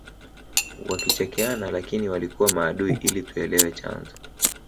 wakichekeana lakini walikuwa maadui ili tuelewe chanzo